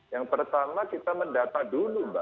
yang pertama kita mendata dulu mbak